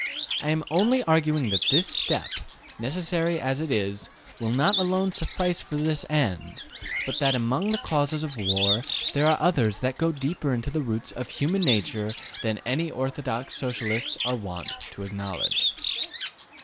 I am only arguing that this step, necessary as it is, will not alone suffice for this end, but that among the causes of war there are others that go deeper into the roots of human nature than any that orthodox Socialists are wont to acknowledge.